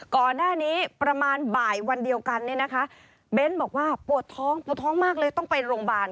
ก่อนหน้านี้ประมาณบ่ายวันเดียวกันเนี่ยนะคะเบ้นบอกว่าปวดท้องปวดท้องมากเลยต้องไปโรงพยาบาล